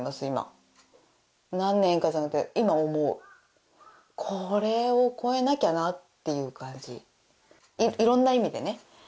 今何年かじゃなくて今思うこれを超えなきゃなっていう感じ色んな意味でね